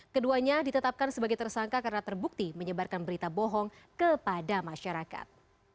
keduanya ditetapkan sebagai tersangka karena terbukti menyebarkan berita bohong kepada masyarakat